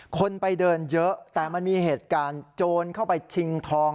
คนไปเดินเยอะแต่มันมีเหตุการณ์โจรเข้าไปชิงทอง